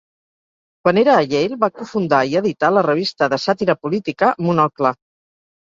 Quan era a Yale, va cofundar i editar la revista de sàtira política "Monocle".